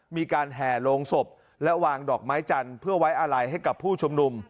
แห่โรงศพและวางดอกไม้จันทร์เพื่อไว้อาลัยให้กับผู้ชุมนุม